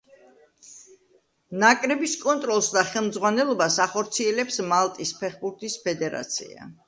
ნაკრების კონტროლს და ხელმძღვანელობას ახორციელებს მალტის ფეხბურთის ფედერაცია.